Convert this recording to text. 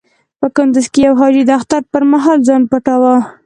په کندز کې يو حاجي د اختر پر مهال ځان پټاوه.